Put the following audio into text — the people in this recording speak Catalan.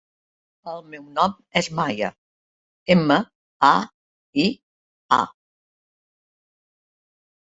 El meu nom és Maia: ema, a, i, a.